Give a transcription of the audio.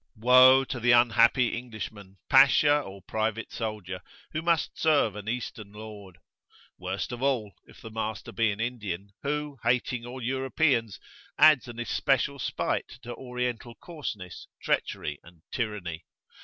Woe to the unhappy Englishman, Pasha, or private soldier, who must serve an Eastern lord! Worst of all, if the master be an Indian, who, hating all Europeans,[FN#16] [p.40]adds an especial spite to Oriental coarseness, treachery, and tyranny.